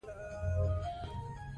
نه دي ولیدی باران د سرو مرمیو